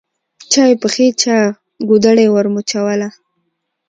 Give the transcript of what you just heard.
چا یې پښې چا ګودړۍ ورمچوله